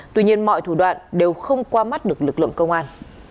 tuy nhiên mọi thủ đoạn đều không qua mắt được lực lượng công an